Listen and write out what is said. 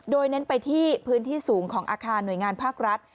โดยเน้นไปที่พื้นที่สูงของอาคารหน่วยงานภาครัฐ